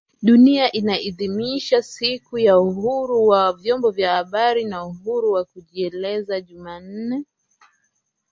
Dunia inapoadhimisha siku ya uhuru wa vyombo vya habari na uhuru wa kujieleza Jumanne